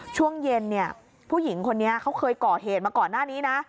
ช่วงเย็นเนี่ยผู้หญิงคนนี้เขาเคยก่อเหตุมาก่อนหน้านี้นะ